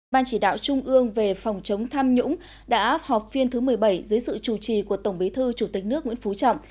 ban chỉ đạo trung ương về phòng chống tham nhũng đã họp phiên thứ một mươi bảy dưới sự chủ trì của tổng bế thư chủ tịch nước nguyễn phú trọng